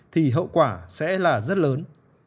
thì hậu quả sẽ là rất lớn